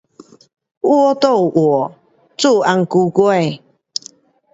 畫圖畫,做紅龟糕